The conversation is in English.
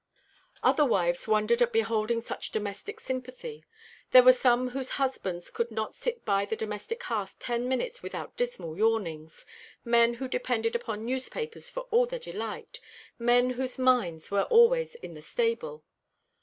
Other wives wondered at beholding such domestic sympathy. There were some whose husbands could not sit by the domestic hearth ten minutes without dismal yawnings, men who depended upon newspapers for all their delight, men whose minds were always in the stable.